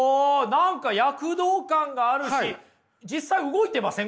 何か躍動感があるし実際動いてません？